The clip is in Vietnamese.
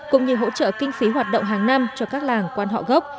cũng như hỗ trợ kinh phí hoạt động hàng năm cho các làng quan họ gốc